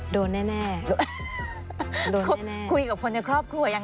ดูกันด้วย